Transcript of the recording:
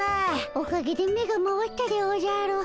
おかげで目が回ったでおじゃる。